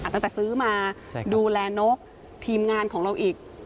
ตั้งแต่ซื้อมาดูแลนกทีมงานของเราอีก